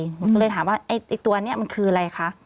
หนูก็เลยถามว่าไอ้ตัวนี้มันคืออะไรคะ